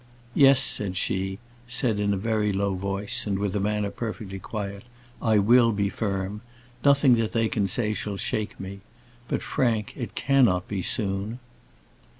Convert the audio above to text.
"Yes," said she said in a very low voice, and with a manner perfectly quiet "I will be firm. Nothing that they can say shall shake me. But, Frank, it cannot be soon."